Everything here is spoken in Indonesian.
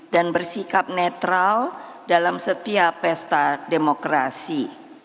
dan bersikap netral dalam setiap pesta demokrasi